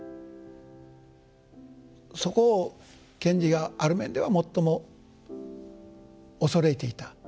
そこを賢治がある面では最も恐れていた。